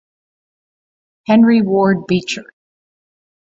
Henry Ward Beecher.